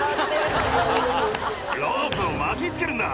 「ロープを巻きつけるんだ」